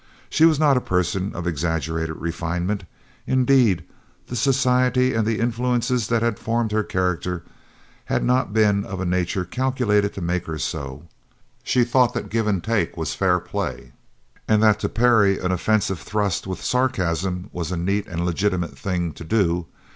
She was not a person of exaggerated refinement; indeed, the society and the influences that had formed her character had not been of a nature calculated to make her so; she thought that "give and take was fair play," and that to parry an offensive thrust with a sarcasm was a neat and legitimate thing to do.